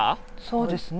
そうですね。